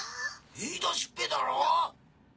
言い出しっぺだろ！